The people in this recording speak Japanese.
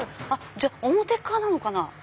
じゃあ表側なのかな。